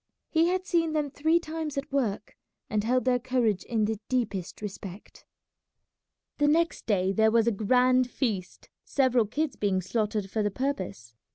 He had seen them three times at work, and held their courage in the deepest respect. The next day there was a grand feast, several kids being slaughtered for the purpose.